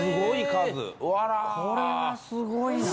これはすごいな。